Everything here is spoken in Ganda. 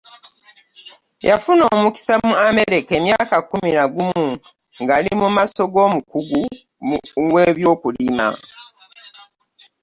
Yafuna omukisa mu America emyaka kkumi na gumu ng'ali mu maaso g'omukugu w'ebyokulima.